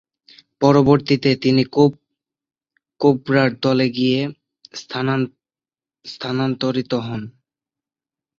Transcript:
পরবর্তীতে তিনি কেপ কোবরার দলে গিয়ে স্থানান্তরিত হন।